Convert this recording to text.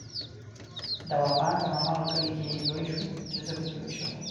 دوا خان په هماغه کلي کې لوی شو چې زه پکې لوی شوی وم.